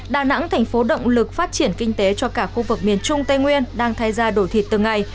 đà nẵng thành phố động lực phát triển kinh tế cho cả khu vực miền trung tây nguyên đang thay ra đổi thịt từng ngày